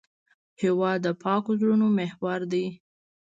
هېواد د پاکو زړونو محور دی.